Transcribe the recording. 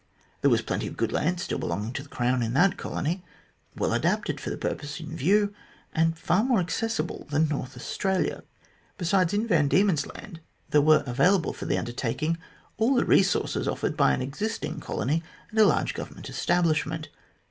There was plenty of good land still belonging to the Crown in that colony well adapted for the purpose in view, and far more accessible than North Australia. Besides, in Van Diemen's Land there were available for the undertaking all the resources offered by an existing colony and a large Government establishment.